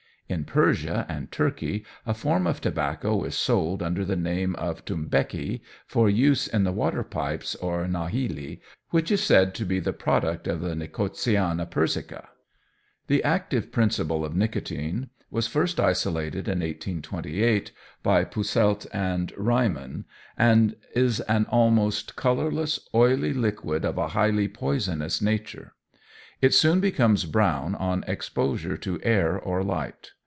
In Persia and Turkey a form of tobacco is sold under the name of Tumbeki for use in the water pipes or narghileh, which is said to be the product of the Nicotiana Persica. The active principle Nicotine was first isolated in 1828, by Posselt and Reimann, and is an almost colourless, oily liquid of a highly poisonous nature. It soon becomes brown on exposure to air or light.